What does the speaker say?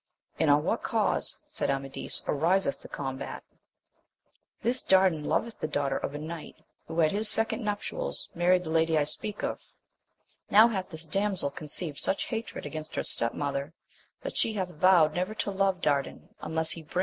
And on what cause, said Amadis, ariseth the combat ?— This Dardan loveth the daughter of a knight, who at his second nuptials, married the lady I speak of. Now hath this damsel conceived such hatred against her stepmother, that she laa\JcL\ov?^^xifcN«t \»ci\oN^I^^<i3M3L AMADIS OF GAUL. 85 unless he bring he.'